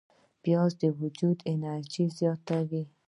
پیاز د وجود انرژي زیاتوي